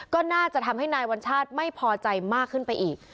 ก็น่าจะทำให้นายวัญชาติไม่พอใจมากขึ้นไปอีก